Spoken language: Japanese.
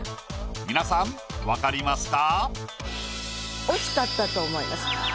皆さん分かりますか？